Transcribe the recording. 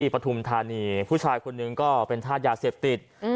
ปฐุมธานีผู้ชายคนหนึ่งก็เป็นธาตุยาเสพติด